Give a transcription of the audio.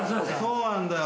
そうなんだよ。